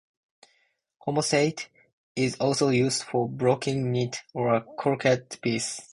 Homasote is also used for blocking knit or crochet pieces.